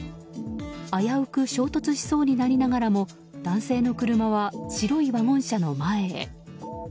危うく衝突しそうになりながらも男性の車は白いワゴン車の前へ。